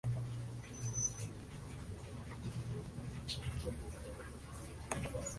Compone la última etapa de la Triple Corona del Bío-Bío.